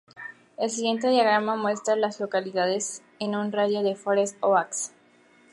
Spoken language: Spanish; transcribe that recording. El siguiente diagrama muestra a las localidades en un radio de de Forest Oaks.